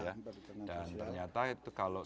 dan ternyata itu kalau